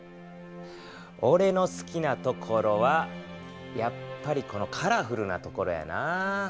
おれの好きなところはやっぱりこのカラフルなところやなぁ。